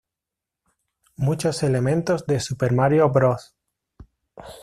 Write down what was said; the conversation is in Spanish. Muchos elementos de "Super Mario Bros.